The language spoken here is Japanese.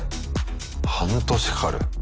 半年かかる。